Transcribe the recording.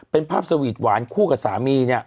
เป็นภาพสวีทหวานคู่กับสามีเนี่ย